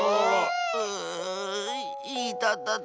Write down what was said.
ううういたたた。